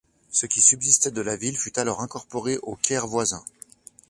Ce qui subsistait de la ville fut alors incorporé au Caire voisin.